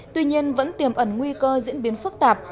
tuy nhiên vẫn tiềm ẩn nguy cơ diễn biến phức tạp